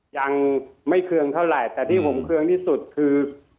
ยังไม่เคืองเท่าไหร่แต่ที่ผมเคืองที่สุดคือ